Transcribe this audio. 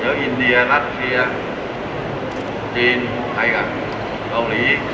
เดี๋ยวอินเดียรัสเซียจีนไทยกับเกาหลี